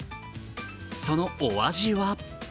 そのお味は？